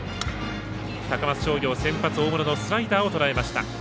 高松商業、先発の大室のスライダーをとらえました。